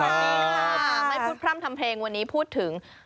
มาพูดพร่ำทำเพลงวันนี้พูดถึง